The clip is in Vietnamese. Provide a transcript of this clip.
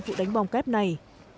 vụ đánh bom kép này